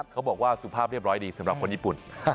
เขาบอกว่าสุภาพเรียบร้อยดีสำหรับคนญี่ปุ่น